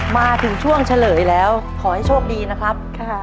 มาถึงช่วงเฉลยแล้วขอให้โชคดีนะครับ